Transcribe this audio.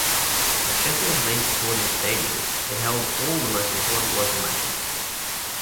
As Sheffield's main sporting stadium it held all the most important local matches.